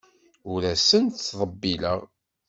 Ur asent-ttḍebbileɣ.